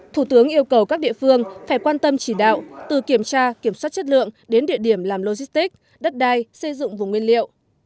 thủ tướng yêu cầu các địa phương phải quan tâm chỉ đạo từ kiểm tra kiểm soát chất lượng đến địa điểm làm logistic đất đai xây dựng vùng nguyên liệu